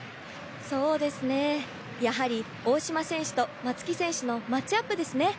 そうですねやはり大島選手と松木選手のマッチアップですね。